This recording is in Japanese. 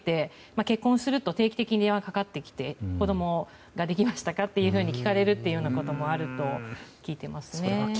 結婚すると定期的に電話がかかってきて子供ができましたか？と聞かれることもあると聞いてますね。